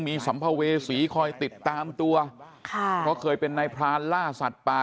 มีสัมภเวษีคอยติดตามตัวค่ะเพราะเคยเป็นนายพรานล่าสัตว์ป่า